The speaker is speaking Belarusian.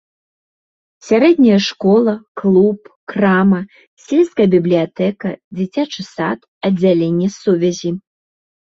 Сярэдняя школа, клуб, крама, сельская бібліятэка, дзіцячы сад, аддзяленне сувязі.